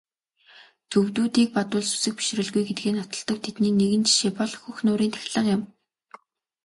Төвөдүүдийг бодвол сүсэг бишрэлгүй гэдгээ нотолдог тэдний нэгэн жишээ бол Хөх нуурын тахилга юм.